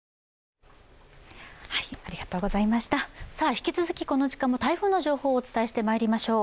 引き続きこの時間も台風の情報をお伝えしてまいりましょう。